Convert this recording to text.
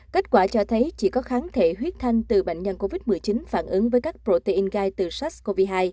kết quả cho thấy chỉ có kháng thể huyết thanh từ bệnh nhân covid một mươi chín phản ứng với các protein gai từ sars cov hai